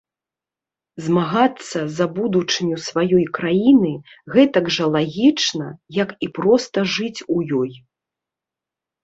Змагацца за будучыню сваёй краіны гэтак жа лагічна, як і проста жыць у ёй.